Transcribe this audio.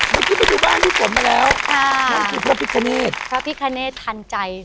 เมื่อกี้ไปดูบ้านพี่ฝนมาแล้วค่ะนี่คือพระพิคเนตพระพิคเนธทันใจ